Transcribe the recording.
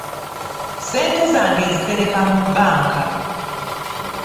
Ssente zange nzitereka mu bbanka.